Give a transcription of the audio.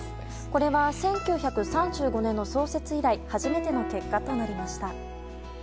これは１９３５年の創設以来初めての結果となりました。